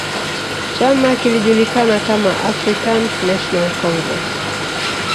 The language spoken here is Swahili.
chama kilijulikana kama African National Congress